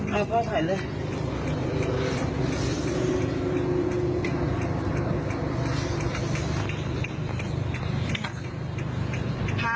เอาพ่อถ่ายเลย